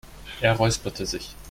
Er räusperte sich.